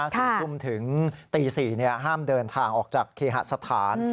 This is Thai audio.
๔ทุ่มถึงตี๔ห้ามเดินทางออกจากเคหสถาน